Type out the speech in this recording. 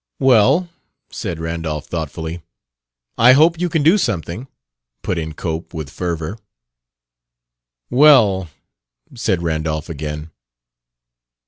"Well," said Randolph thoughtfully. "I hope you can do something," put in Cope, with fervor. "Well," said Randolph again.